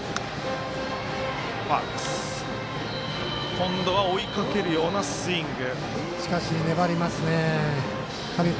今度は追いかけるようなスイング。